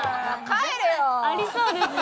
ありそうですよね！